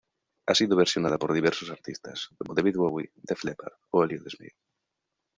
Ha sido versionada por diversos artistas, como David Bowie, Def Leppard o Elliott Smith.